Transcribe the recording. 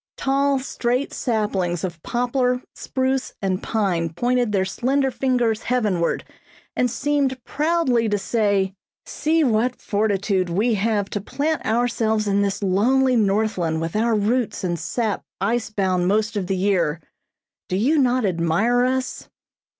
Tall, straight saplings of poplar, spruce and pine pointed their slender fingers heavenward, and seemed proudly to say: "See what fortitude we have to plant ourselves in this lonely Northland with our roots and sap ice bound most of the year. Do you not admire us?"